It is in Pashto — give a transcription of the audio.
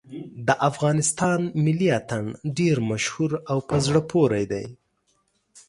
د افغانستان ملي اتڼ ډېر مشهور او په زړه پورې دی.